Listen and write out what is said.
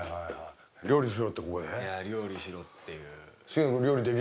いや料理しろっていう。